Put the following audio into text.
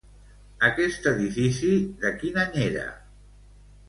Aquest edifici de quin any era?